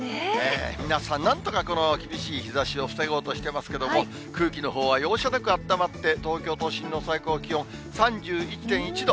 皆さん、なんとかこの厳しい日ざしを防ごうとしていますけども、空気のほうは容赦なくあったまって、東京都心の最高気温３１．１度。